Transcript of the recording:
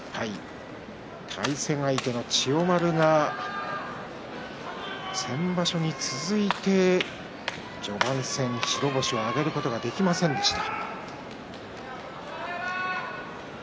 対戦相手の千代丸が先場所に続いて、序盤戦白星を挙げることができませんでした。